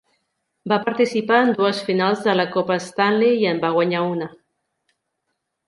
Va participar en dues finals de la Copa Stanley i en va guanyar una.